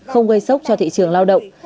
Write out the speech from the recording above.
không gây sốc cho thị trường lao động